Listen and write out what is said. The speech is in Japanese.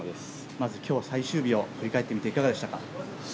まず今日最終日を振り返ってみていかがでしたか？